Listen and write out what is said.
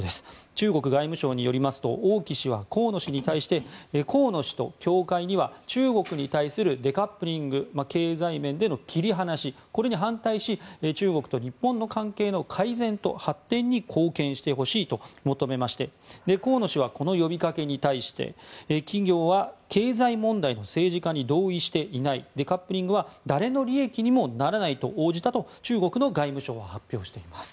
中国外務省によりますと王毅氏は、河野氏に対して河野氏と協会には中国に対するデカップリング経済面での切り離しに反対し中国と日本の関係の改善と発展に貢献してほしいと求めまして河野氏は、この呼びかけに対して企業は経済問題の政治化に同意していないデカップリングは誰の利益にもならないと応じたと中国の外務省は発表しています。